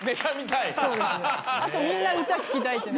あとみんな歌聴きたいって。